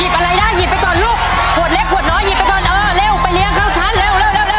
อะไรได้หยิบไปก่อนลูกขวดเล็กขวดน้อยหยิบไปก่อนเออเร็วไปเลี้ยงเข้าชั้นเร็ว